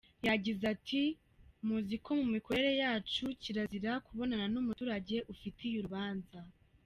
Yagize ati “Muzi ko mu mikorere yacu, kirazira kubonana n’umuturage ufitiye urubanza.